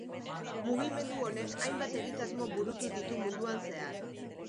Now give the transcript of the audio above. Mugimendu honek hainbat egitasmo burutu ditu munduan zehar.